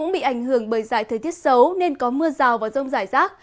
bị ảnh hưởng bởi giải thời tiết xấu nên có mưa rào và rông rải rác